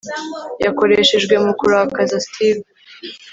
yakoreshejwe mu kurakaza steve